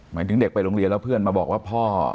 หมายถึงเด็กไปโรงเรียนแล้วเพื่อนมาบอกว่าพ่อ